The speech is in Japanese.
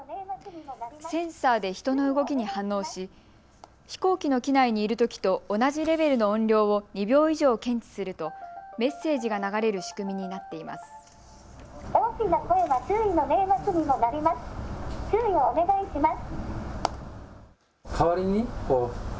センサーで人の動きに反応し、飛行機の機内にいるときと同じレベルの音量を２秒以上検知するとメッセージが流れる仕組みになっています。